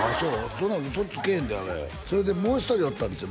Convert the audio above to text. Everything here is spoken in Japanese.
そんな嘘つけへんであれそれでもう一人おったんですよ